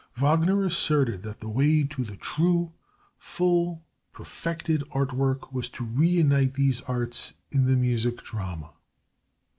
Wagner asserted that the way to the true, full, perfected art work was to reunite these arts in the Music Drama.